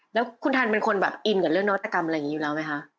แล้วคุณทันเป็นคนแบบอินกับเรื่องนวัตกรรมอะไรอย่างนี้อยู่แล้วไหมคะ